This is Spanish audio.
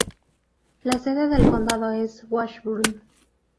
La sede del condado es Washburn.